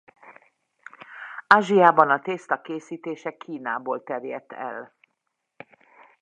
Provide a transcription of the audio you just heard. Ázsiában a tészta készítése Kínából terjedt el.